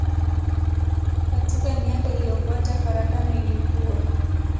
Katika miaka iliyofuata farakano ilikua.